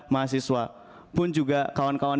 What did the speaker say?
mahasiswa pun juga kawan kawan